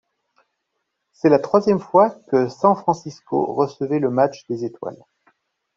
C'est la troisième fois que San Francisco recevait le match des Étoiles.